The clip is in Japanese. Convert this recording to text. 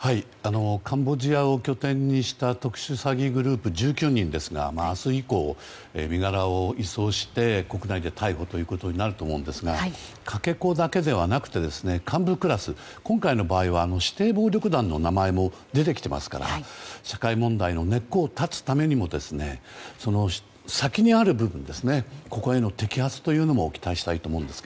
カンボジアを拠点にした特殊詐欺グループ１９人ですが明日以降、身柄を移送して国内で逮捕ということになると思うんですがかけ子だけではなくて幹部クラス今回の場合は指定暴力団の名前も出てきていますから社会問題の根っこを断つためにもその先にある部分への摘発も期待したいと思います。